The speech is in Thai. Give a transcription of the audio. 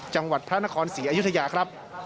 จังหวัดพระนครศรีอยุธยาครับ